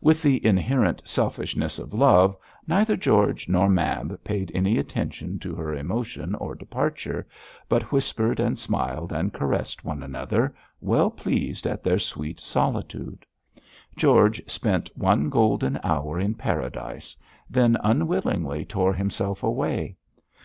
With the inherent selfishness of love, neither George nor Mab paid any attention to her emotion or departure, but whispered and smiled and caressed one another, well pleased at their sweet solitude. George spent one golden hour in paradise, then unwillingly tore himself away.